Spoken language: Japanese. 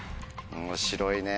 面白いね。